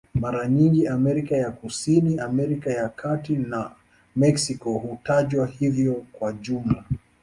Mara nyingi Amerika ya Kusini, Amerika ya Kati na Meksiko hutajwa hivyo kwa jumla.